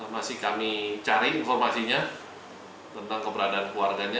masih kami cari informasinya tentang keberadaan keluarganya